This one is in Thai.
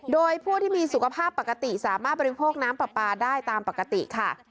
โดยผู้ที่มีสุขภาพปกติสามารถบริโภคน้ำปลาปลาได้ตามปกติค่ะ